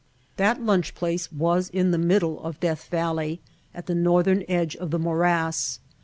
That lunch place was in the middle of Death Valley at the northern edge of the morass.